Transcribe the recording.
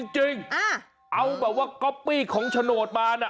จริงเอาแบบว่าก๊อปปี้ของโฉนดมานะ